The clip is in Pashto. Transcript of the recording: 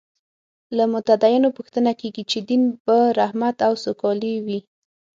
له متدینو پوښتنه کېږي چې دین به رحمت او سوکالي وي.